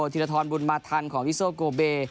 ธิรธรรมบุญมาธรรมของวิโซโกเบ